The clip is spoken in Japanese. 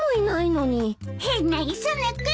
変な磯野君。